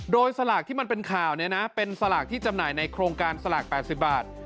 โดยสลากที่มันเป็นข่าวเป็นสลากที่จำหน่ายในโครงการสลาก๘๐บาท